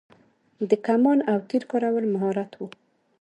د کمان او تیر کارول مهارت و